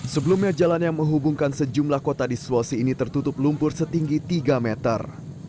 sebelumnya jalan yang menghubungkan sejumlah kota di sulawesi ini tertutup lumpur setinggi tiga meter